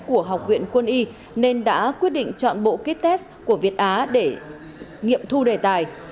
của học viện quân y nên đã quyết định chọn bộ kites của việt á để nghiệm thu đề tài